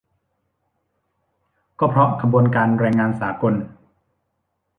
ก็เพราะขบวนการแรงงานสากล